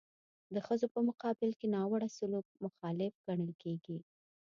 د ښځو په مقابل کې ناوړه سلوک مخالف ګڼل کیږي.